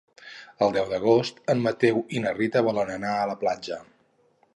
El deu d'agost en Mateu i na Rita volen anar a la platja.